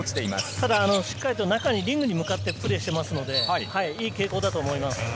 ただしっかりリングに向かってプレーしているので、いい傾向だと思います。